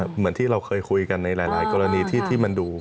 เหมือนที่เราเคยคุยกันในหลายกรณีที่มันดู